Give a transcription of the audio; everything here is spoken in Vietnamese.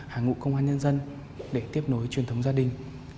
hàng ngụ công an nhân dân để tiếp nối truyền thống gia đình